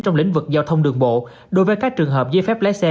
trong lĩnh vực giao thông đường bộ đối với các trường hợp giấy phép lái xe